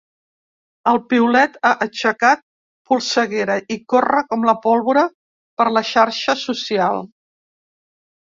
El piulet ha aixecat polseguera i corre com la pólvora per la xarxa social.